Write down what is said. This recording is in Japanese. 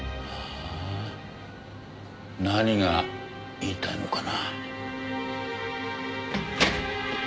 何が言いたいのかな？